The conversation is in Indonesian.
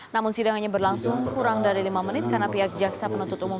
namun sidang hanya berlangsung kurang dari lima menit karena pihak jaksa penuntut umum